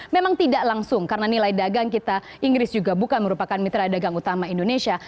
memang tidak langsung karena nilai dagang kita inggris juga bukan merupakan mitra dagang utama indonesia